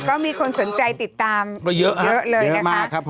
แต่ก็มีคนสนใจติดตามเรื่องเยอะเลยนะครับเยอะมากครับผม